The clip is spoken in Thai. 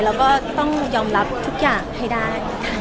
แล้วก็ต้องยอมรับทุกอย่างให้ได้